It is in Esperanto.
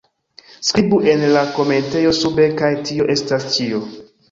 Skribu en la komentejo sube kaj tio estas ĉio